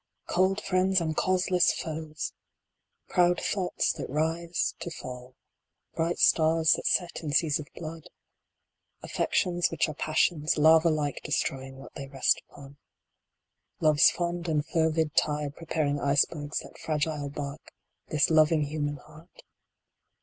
Cold friends and causeless foes ! Proud thoughts that rise to fall. Bright stars that set in seas of blood ; Affections, which are passions, lava like Destroying what they rest upon. Love s Fond and fervid tide preparing icebergs That fragile bark, this loving human heart.